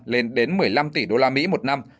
lên đến một mươi năm tỷ usd một năm